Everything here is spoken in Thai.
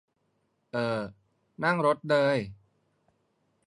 เอ่อ นั่งรถเลย